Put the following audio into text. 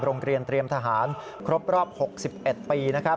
โรงเรียนเตรียมทหารครบรอบ๖๑ปี